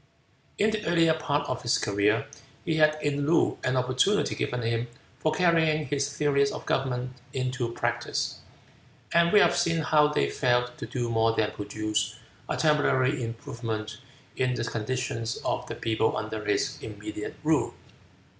In the earlier part of his career, he had in Loo an opportunity given him for carrying his theories of government into practice, and we have seen how they failed to do more than produce a temporary improvement in the condition of the people under his immediate rule.